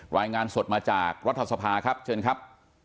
รายงานสดมาจากรัฐสภาครับเชิญครับ